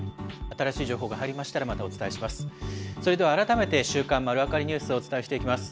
新しい情報が入りましたら、またお伝えします。